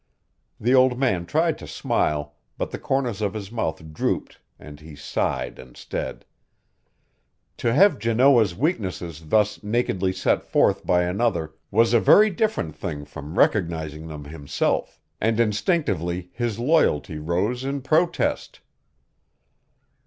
The old man tried to smile, but the corners of his mouth drooped and he sighed instead. To have Janoah's weaknesses thus nakedly set forth by another was a very different thing from recognizing them himself, and instinctively his loyalty rose in protest.